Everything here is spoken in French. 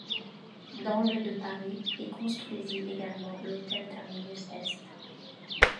Dans le de Paris, il construisit également l'hôtel Terminus Est.